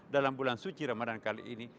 dalam bulan suci ramadan kali ini